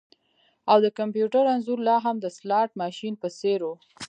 او د کمپیوټر انځور لاهم د سلاټ ماشین په څیر و